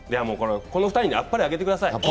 この２人にあっぱれをあげてください。